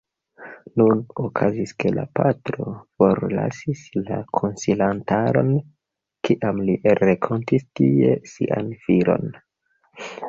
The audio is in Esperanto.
Nun okazis, ke la patro forlasis la konsilantaron, kiam li renkontis tie sian filon.